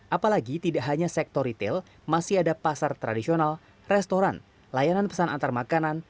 apalagi tidak hanya sektor retail masih ada pasar tradisional restoran layanan pesan antarmakanan